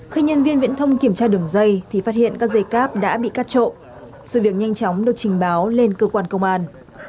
khi nhân viên viễn thông kiểm tra đường dây thì phát hiện các dây cắp đã bị cắt trộn